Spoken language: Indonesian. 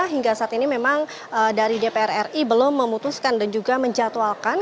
hingga saat ini memang dari dpr ri belum memutuskan dan juga menjatuhalkan